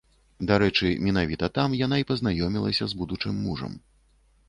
Дарэчы, менавіта там яна і пазнаёмілася з будучым мужам.